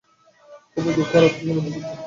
খুবই দুঃখ আর আফসোস অনুভব করছি।